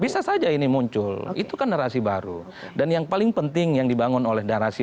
bisa saja ini muncul itu kan narasi baru dan yang paling penting yang dibangun oleh narasi